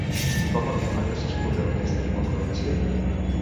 Com afirma que s'excusa d'aquesta incongruència?